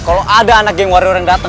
kalau ada anak geng wario yang datang